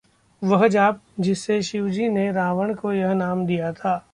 वह जाप जिससे शिव जी ने रावण को यह नाम दिया था...